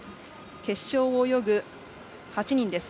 決勝を泳ぐ８人です。